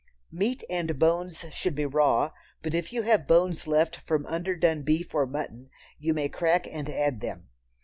Meat and bones should be raw, but if you have bones left from underdone beef or mutton, you may crack and add them.